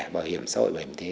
bảo hiểm xã hội bảo hiểm thế